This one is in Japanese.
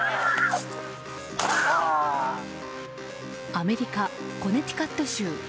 アメリカ・コネティカット州。